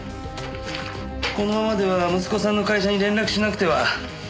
このままでは息子さんの会社に連絡しなくては。